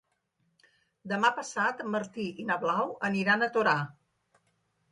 Demà passat en Martí i na Blau aniran a Torà.